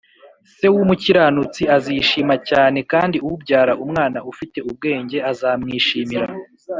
se w’umukiranutsi azishima cyane, kandi ubyara umwana ufite ubwenge azamwishimira,